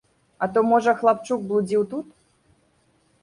А то, можа, хлапчук блудзіў тут?